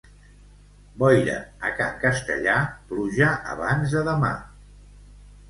Boira a can Castellà, pluja abans de demà.